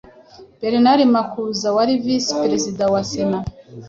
Bernard Makuza wari Visi Perezida wa sena